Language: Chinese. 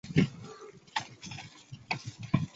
僖宗起崔安潜为检校右仆射。